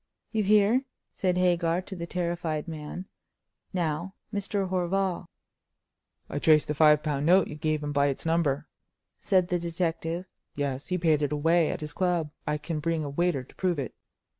"You hear," said Hagar to the terrified man. "Now, Mr. Horval." "I traced the five pound note you gave him by its number," said the detective. "Yes, he paid it away at his club; I can bring a waiter to prove it."